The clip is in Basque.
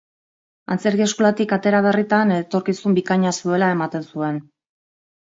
Antzerki eskolatik atera berritan, etorkizun bikaina zuela ematen zuen.